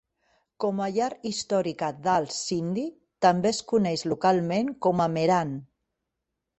Com a llar històrica dels sindhi, també es coneix localment com a Mehran.